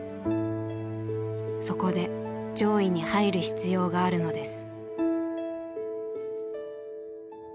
そこで上位に入る必要があるのです。